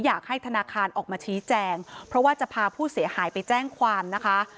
อยากให้ธนาคารออกมาชี้แจงเพราะว่าจะพาผู้เสียหายไปแจ้งความนะคะ